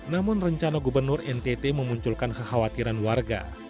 namun rencana gubernur ntt memunculkan kekhawatiran warga